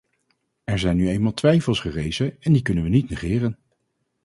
Er zijn nu eenmaal twijfels gerezen en die kunnen we niet negeren.